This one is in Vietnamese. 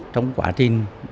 trong quả tin